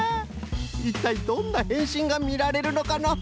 いったいどんなへんしんがみられるのかの？